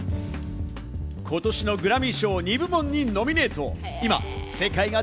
今年のグラミー賞２部門にノミネート。